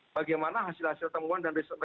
bagaimana hasil hasil temuan dan resor resor